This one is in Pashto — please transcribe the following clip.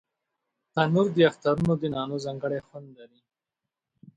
تنور د اخترونو د نانو ځانګړی خوند لري